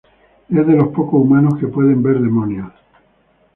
Es de los pocos humanos que pueden ver demonios.